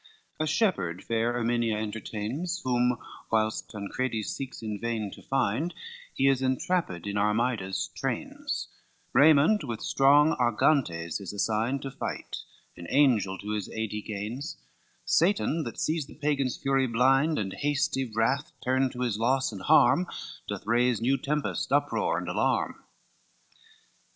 A shepherd fair Erminia entertains, Whom whilst Tancredi seeks in vain to find, He is entrapped in Armida's trains: Raymond with strong Argantes is assigned To fight, an angel to his aid he gains: Satan that sees the Pagan's fury blind, And hasty wrath turn to his loss and harm, Doth raise new tempest, uproar and alarm.